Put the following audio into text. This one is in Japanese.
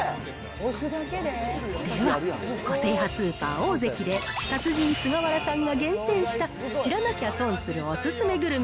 では、個性派スーパー、オオゼキで達人、菅原さんが厳選した知らなきゃ損するお勧めグルメ